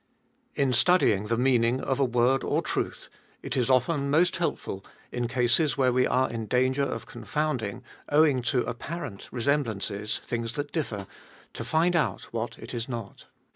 1. In studying the meaning of a word or truth, It Is often most helpful in cases where we are In danger of confounding, owing to apparent resemblances, things that differ, to find out what It is not.